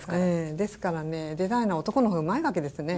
ですからねデザイナー男のほうがうまいわけですね。